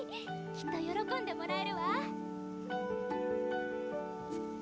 きっと喜んでもらえるわ・